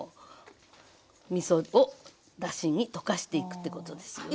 みそをだしに溶かしていくってことですよね。